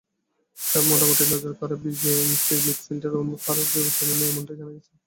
সাফে মোটামুটি নজরকাড়া বিজেএমসির মিডফিল্ডার ওমর ফারুকও বিবেচনায় নেই, এমনটাই জানা গেছে।